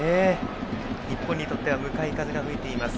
日本にとっては向かい風が吹いています。